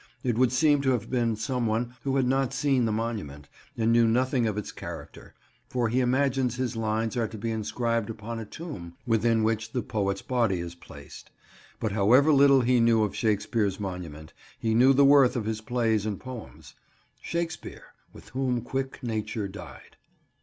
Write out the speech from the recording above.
It would seem to have been some one who had not seen the monument, and knew nothing of its character; for he imagines his lines are to be inscribed upon a tomb within which the poet's body is placed. But however little he knew of Shakespeare's monument, he knew the worth of his plays and poems: "Shakespeare, with whom quick nature died."